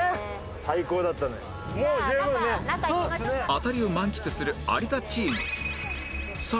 アタリを満喫する有田チーム